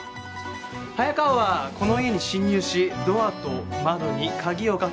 早川はこの家に侵入しドアと窓に鍵をかけ